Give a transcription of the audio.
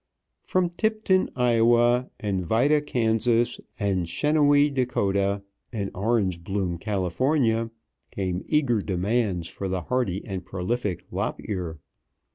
From Tipton, Ia., and Vida, Kan., and Chenawee, Dak., and Orangebloom, Cal., came eager demands for the hardy and prolific lop ear.